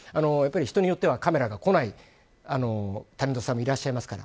人によってはカメラが来ないタレントさんもいらっしゃいますから。